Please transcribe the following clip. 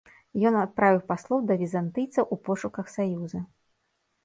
Ён адправіў паслоў да візантыйцаў у пошуках саюза.